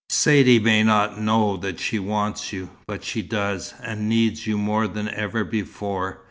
Saidee may not know that she wants you, but she does, and needs you more than ever before.